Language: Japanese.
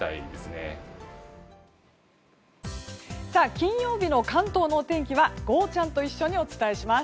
金曜日の関東のお天気はゴーちゃん。と一緒にお伝えします。